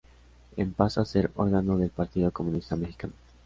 En pasa a ser órgano del Partido Comunista Mexicano.